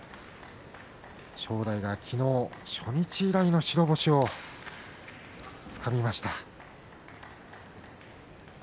正代が昨日、初日以来の白星をつかみました。